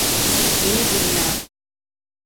Yeni Dünya